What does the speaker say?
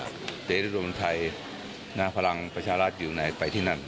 เสรีรวมไทยหน้าพลังประชารัฐอยู่ไหนไปที่นั่น